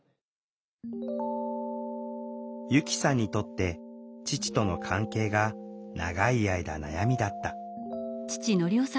由希さんにとって父との関係が長い間悩みだった。